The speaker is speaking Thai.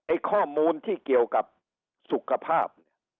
ไอ้ข้อมูลที่เกี่ยวกับสุขภาพ